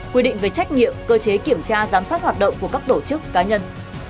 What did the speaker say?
quy định về trách nhiệm cơ chế kiểm tra giám sát hoạt động của các tổ chức cá nhân